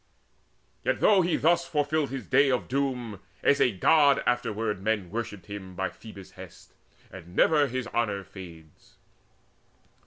Yet, though he thus fulfilled his day of doom, As a God afterward men worshipped him By Phoebus' hest, and never his honour fades.